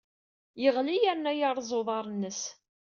Yeɣli yerna yerreẓ uḍar-nnes.